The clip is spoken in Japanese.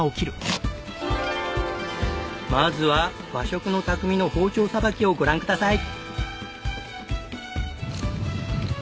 まずは和食の匠の包丁さばきをご覧ください！